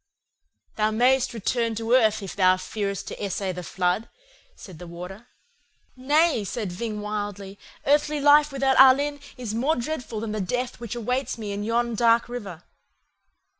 "'Thou mayest return to earth if thou fearest to essay the flood,' said the Warder. "'Nay,' said Ving wildly, 'earthly life without Alin is more dreadful than the death which awaits me in yon dark river.